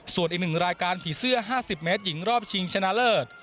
ส่วนอีก๑รายการผีเสื้อ๕๐เมตรหญิงรอบชิงชนะเลิศ